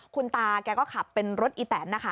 คุณตาก็ขับเป็นรถอีแตน